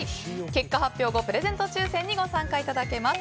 結果発表後、プレゼント抽選にご応募いただけます。